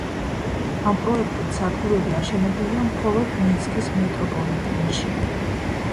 ამ პროექტით სადგურები აშენებულია მხოლოდ მინსკის მეტროპოლიტენში.